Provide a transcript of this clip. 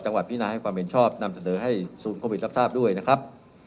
พินาให้ความเห็นชอบนำเสนอให้ศูนย์โควิดรับทราบด้วยนะครับ